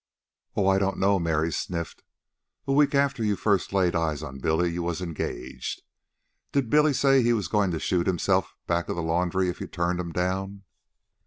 "Oh, I don't know," Mary sniffed. "A week after you first laid eyes on Billy you was engaged. Did Billy say he was going to shoot himself back of the laundry if you turned him down?"